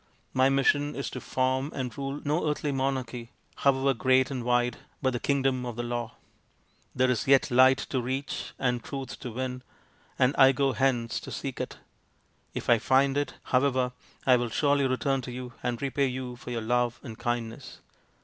My mission is to form and rule no earthly monarchy however great and wide, but the Kingdom of the Law. There is yet light to reach and truth to win, and I go hence to seek it. If I find it, however, I will surely return to you and repay you for your love and kindness."